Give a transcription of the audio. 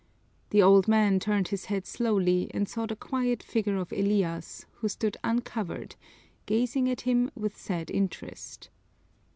The old man turned his head slowly and saw the quiet figure of Elias, who stood uncovered, gazing at him with sad interest.